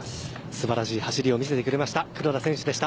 素晴らしい走りを見せてくれました黒田選手でした。